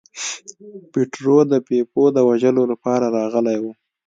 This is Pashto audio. پیټرو د بیپو د وژلو لپاره راغلی و.